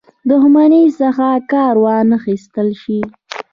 دښمنۍ څخه کار وانه خیستل شي.